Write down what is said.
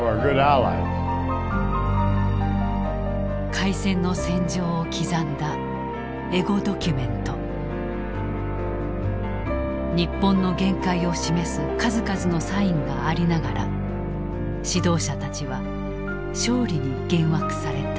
開戦の戦場を刻んだエゴドキュメント日本の限界を示す数々のサインがありながら指導者たちは勝利に幻惑された。